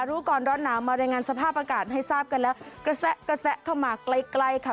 รู้ก่อนร้อนหนาวมารายงานสภาพอากาศให้ทราบกันแล้วกระแสกระแสเข้ามาใกล้ใกล้ค่ะ